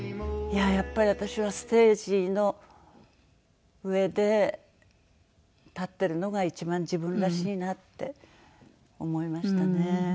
やっぱり私はステージの上で立ってるのが一番自分らしいなって思いましたね。